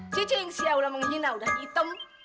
ciciingsia udah menghina udah hitam